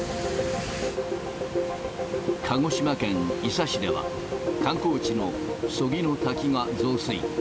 鹿児島県伊佐市では、観光地の曽木の滝が増水。